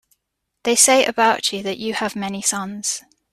They say about you that you have many sons.